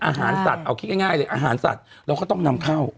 อาหารสัตว์เอาคิดง่ายเลยอาหารสัตว์เราก็ต้องนำเข้า